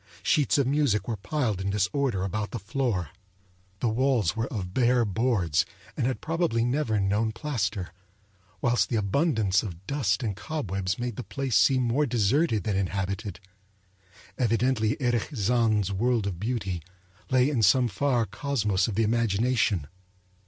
Sheets of music were piled in disorder about the floor. The walls were of bare boards, and had probably never known plaster; whilst the abundance of dust and cobwebs made the place seem more deserted than inhabited. Evidently Erich Zann's world of beauty lay in some far cosmos of the imagination.